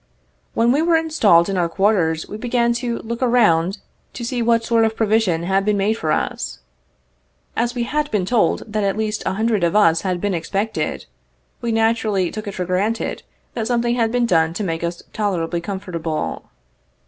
When we were installed in our quarters we began to look around to see what sort of provision had been made for us. As we had been told that at least a hundred of us had been expected, we naturally took it for granted that something had been done to make us tolerably comfort able.